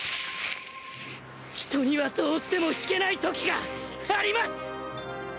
人にはどうしても引けないときがあります